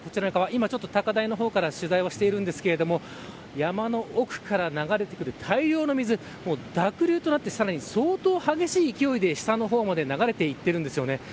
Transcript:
今、高台の方から取材をしているんですが山の奥から流れてくる大量の水濁流となって相当激しい勢いで下の方に流れていっています